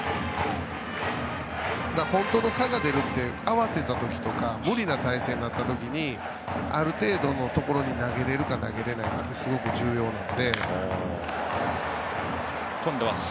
本当に差が出るのは慌てた時とか無理な体勢になった時にある程度のところに投げられるかどうかはすごく重要なので。